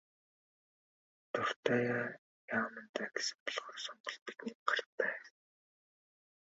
Дуртай яамандаа гэсэн болохоор сонголт бидний гарт байна.